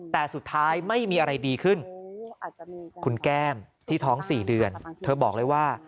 แต่สุดท้ายไม่มีอะไรดีขึ้นคุณแก้มที่ท้อง๔เดือนเธอบอกเลยว่า